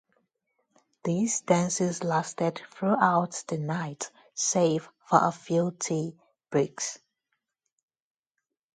These dances lasted throughout the night, save for a few tea breaks.